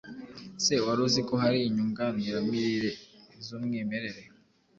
Ese wari uzi ko hari inyunganiramirire z’umwimerere